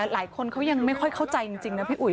หลายคนเขายังไม่ค่อยเข้าใจจริงนะพี่อุ๋ย